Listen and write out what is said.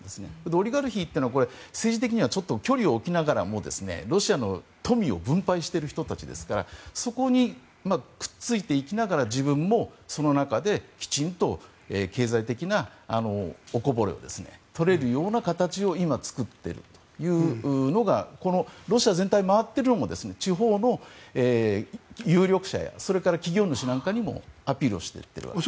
オリガルヒというのは政治的には距離を置きながらロシアの富を分配している人たちですからそこにくっついていきながら自分もその中できちんと経済的なおこぼれを取れるような形を今、作っているというのがこのロシア全体を回っているのも地方の有力者やそれから企業主なんかにもアピールをしていっているわけです。